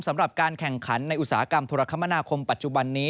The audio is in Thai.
สำหรับการแข่งขันในอุตสาหกรรมธุรกรรมนาคมปัจจุบันนี้